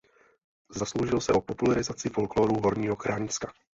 Zasloužil se o popularizaci folklóru Horního Kraňska.